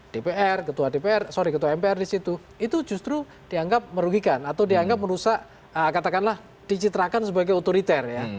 dpr ketua dpr sorry ketua mpr di situ itu justru dianggap merugikan atau dianggap merusak katakanlah dicitrakan sebagai otoriter ya